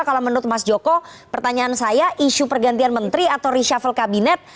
kalau menurut mas joko pertanyaan saya isu pergantian menteri atau reshuffle kabinet